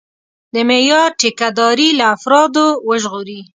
د معیار ټیکهداري له افرادو وژغوري.